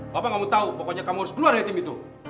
bapak gak mau tahu pokoknya kamu harus keluar dari tim itu